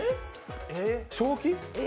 正気？